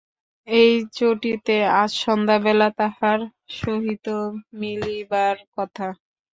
এই চটিতে আজ সন্ধ্যাবেলা তাঁহার সহিত মিলিবার কথা।